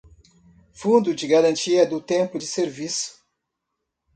fundo de garantia do tempo de serviço;